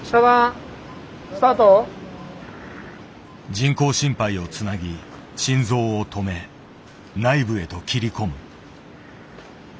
人工心肺をつなぎ心臓を止め内部へと切り込む。